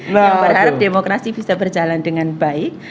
beliau berharap demokrasi bisa berjalan dengan baik